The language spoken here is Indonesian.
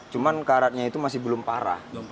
cuman karatnya itu masih belum parah